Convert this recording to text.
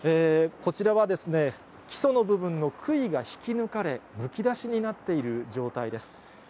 こちらはですね、基礎の部分のくいが引き抜かれ、むき出しになっている状態です。